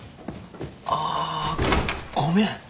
あごめん。